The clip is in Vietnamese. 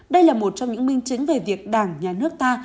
đây là một trong những minh chứng về việc đảng nhà nước ta